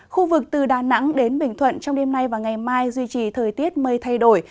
khu vực từ đà nẵng đến bình thuận trong đêm nay và ngày mai duy trì thời tiết mây thay đổi